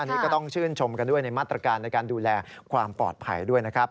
อันนี้ก็ต้องชื่นชมกันด้วยในมาตรการในการดูแลความปลอดภัยด้วยนะครับ